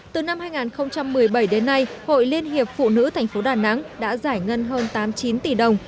từ năm hai nghìn một mươi bảy đến nay hội liên hiệp phụ nữ tp đà nẵng đã giải ngân hơn tám mươi chín tỷ đồng